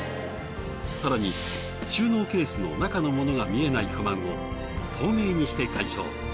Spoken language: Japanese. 更に収納ケースの中のものが見えない不満を透明にして解消。